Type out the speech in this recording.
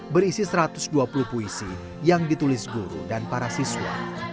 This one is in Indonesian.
berisi satu ratus dua puluh puisi yang ditulis guru dan para siswa